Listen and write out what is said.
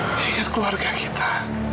aku ingat keluarga kita